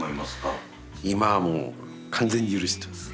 今はもう完全に許してます。